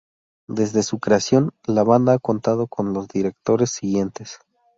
Desde su creación, la Banda ha contado con los directores siguientesː